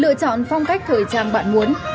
lựa chọn phong cách thời trang bạn muốn